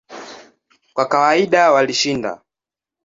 Kwa kawaida walishinda.